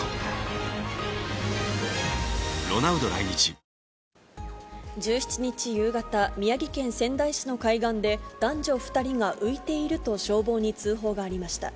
東京海上日動１７日夕方、宮城県仙台市の海岸で男女２人が浮いていると、消防に通報がありました。